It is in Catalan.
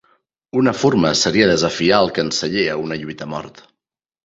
Una forma seria desafiar al canceller a una lluita a mort.